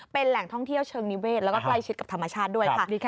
เป็นแหล่งท่องเที่ยวเชิงนิเวศแล้วก็ใกล้ชิดกับธรรมชาติด้วยค่ะ